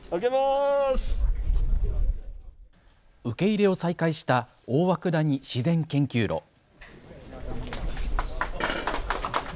受け入れを再開した大涌谷自然研究路。